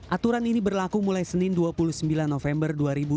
aturan ini berlaku mulai senin dua puluh sembilan november dua ribu dua puluh